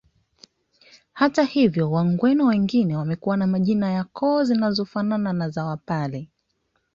Hata hivyo wagweno wengine wamekuwa na majina ya koo zinazofanana na za wapare